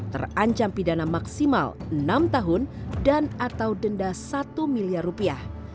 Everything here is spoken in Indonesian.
terancam pidana maksimal enam tahun dan atau denda satu miliar rupiah